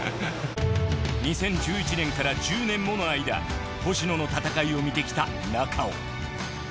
２０１１年から１０年もの間星野の戦いを見てきた中尾。